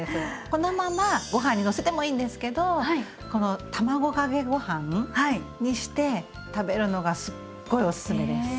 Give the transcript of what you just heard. このままご飯にのせてもいいんですけどこの卵かけご飯にして食べるのがすっごいおすすめです！